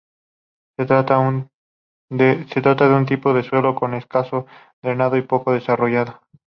Se trata de un tipo de suelo con escaso drenado y poco desarrollado.